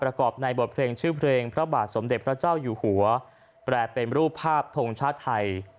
ประกอบในบทเพลงชื่อเพลงพระบาทสมเด็จพระเจ้าอยู่หัวแปรเป็นรูปภาพทงชาติไทย